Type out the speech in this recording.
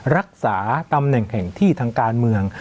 รักษาตำแหน่งแห่งที่ทางการเมือง